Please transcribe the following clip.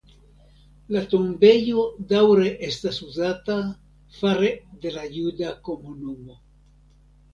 La tombejo daŭre estas uzata fare de la juda komunumo.